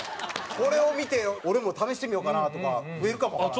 これを見て俺も試してみようかなとか増えるかもわからん。